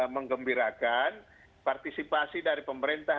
menggembirakan partisipasi dari pemerintah